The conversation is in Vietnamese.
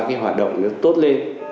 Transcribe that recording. cái hoạt động nó tốt lên